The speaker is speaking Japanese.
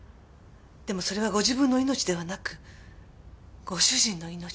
でもそれはご自分の命ではなくご主人の命だった。